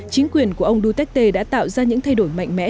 chính quyền của ông duterte đã tạo ra những thay đổi mạnh mẽ